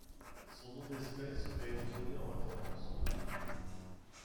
Son nom d'espèce lui a été donné en référence aux Jingpo.